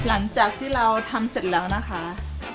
หลังจากที่เราทำเสร็จแล้วนะคะ